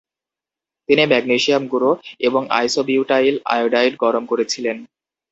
তিনি ম্যাগনেসিয়াম গুঁড়ো এবং আইসোবিউটাইল আয়োডাইড গরম করেছিলেন।